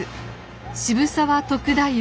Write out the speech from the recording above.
渋沢篤太夫